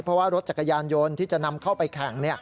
เพราะว่ารถจักรยานยนต์ที่จะนำเข้าไปแข่ง